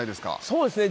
そうですね。